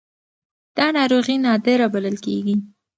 دا ناروغي نادره بلل کېږي.